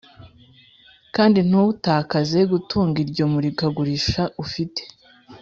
kandi ntutakaze gutunga iryo murikagurisha ufite,